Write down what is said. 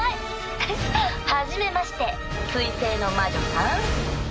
ふふっはじめまして水星の魔女さん。